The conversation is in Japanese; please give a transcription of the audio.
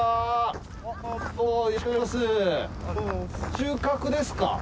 収穫ですか？